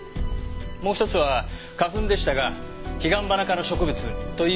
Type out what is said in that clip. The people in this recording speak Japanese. もう１つは花粉でしたがヒガンバナ科の植物という事までしか。